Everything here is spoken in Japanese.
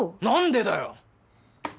何でだよ？